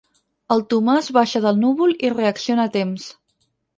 El Tomàs baixa del núvol i reacciona a temps.